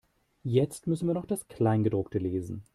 Jetzt müssen wir noch das Kleingedruckte lesen.